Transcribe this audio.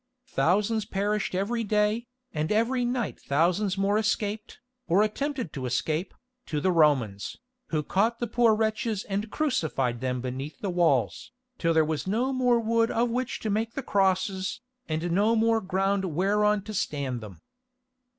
Thousands perished every day, and every night thousands more escaped, or attempted to escape, to the Romans, who caught the poor wretches and crucified them beneath the walls, till there was no more wood of which to make the crosses, and no more ground whereon to stand them.